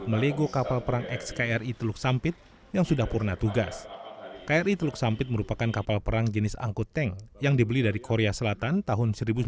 satu ratus tujuh puluh empat miliar rupiah